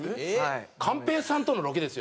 寛平さんとのロケですよ？